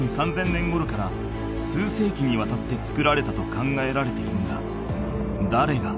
３０００年頃から数世紀にわたって造られたと考えられているが誰が？